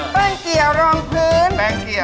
แป้งเกียร์รองพื้นแป้งเกียร์